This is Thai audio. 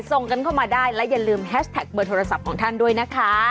ส่งกันเข้ามาได้และอย่าลืมแฮชแท็กเบอร์โทรศัพท์ของท่านด้วยนะคะ